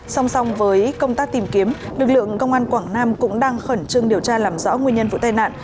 song song với công tác tìm kiếm lực lượng công an quảng nam cũng đang khẩn trương điều tra làm rõ nguyên nhân vụ tai nạn